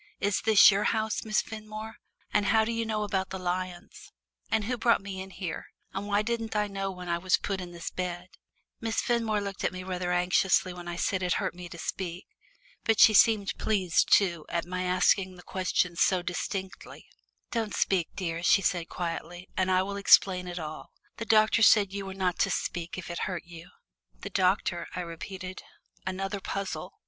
Is this your house, Miss Fenmore, and how do you know about the lions? And who brought me in here, and why didn't I know when I was put in this bed?" Miss Fenmore looked at me rather anxiously when I said it hurt me to speak. But she seemed pleased, too, at my asking the questions so distinctly. "Don't speak, dear," she said quietly, "and I will explain it all. The doctor said you were not to speak if it hurt you." "The doctor," I repeated. Another puzzle!